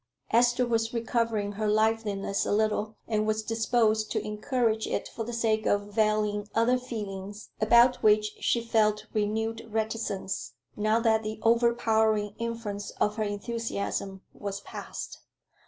Esther was recovering her liveliness a little, and was disposed to encourage it for the sake of veiling other feelings, about which she felt renewed reticence, now that the overpowering influence of her enthusiasm was past.